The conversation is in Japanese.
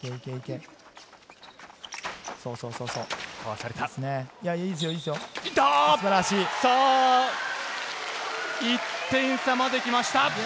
さぁ１点差まで来ました。